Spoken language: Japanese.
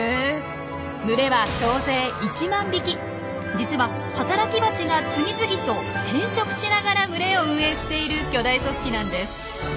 群れは総勢実は働きバチが次々と転職しながら群れを運営している巨大組織なんです。